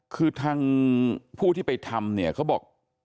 คือทางผู้ที่ไปทำเขาบอก